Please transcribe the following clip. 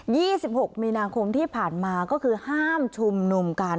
ี่สิบหกมีนาคมที่ผ่านมาก็คือห้ามชุมนุมกัน